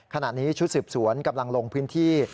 ขณะนี้ชุดสืบสวนกำลังลงพื้นที่